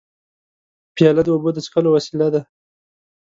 پیاله د اوبو د څښلو وسیله ده.